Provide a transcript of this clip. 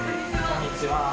こんにちは。